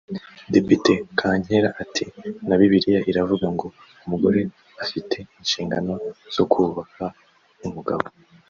Depite Kankera ati “Na Bibiliya iravuga ngo umugore afite inshingano zo kubaha umugabo